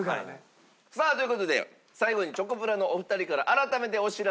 さあという事で最後にチョコプラのお二人から改めてお知らせです。